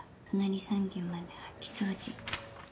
隣３軒まで掃き掃除。